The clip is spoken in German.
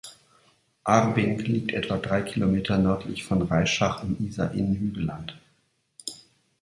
Arbing liegt etwa drei Kilometer nördlich von Reischach im Isar-Inn-Hügelland.